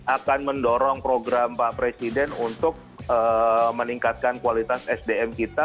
akan mendorong program pak presiden untuk meningkatkan kualitas sdm kita